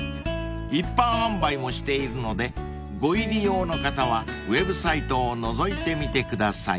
［一般販売もしているのでご入り用の方はウェブサイトをのぞいてみてください］